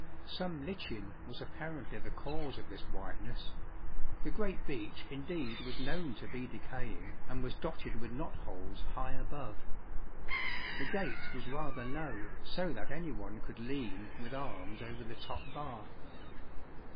Some lichen was apparently the cause of this whiteness: the great beech indeed was known to be decaying and was dotted with knot holes high above. The gate was rather low, so that any one could lean with arms over the top bar.